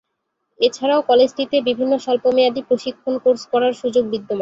এছাড়াও কলেজটিতে বিভিন্ন স্বল্পমেয়াদী প্রশিক্ষণ কোর্স করার সুযোগ বিদ্যমান।